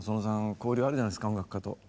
交流あるじゃないですか音楽家と。